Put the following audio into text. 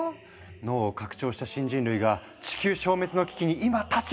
脳を拡張した新人類が地球消滅の危機に今立ち向かう！